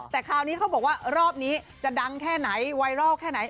แต่คราวนี้เขาบอกว่ารอบนี้จะดังแค่ไหนไวรัลแค่ไหน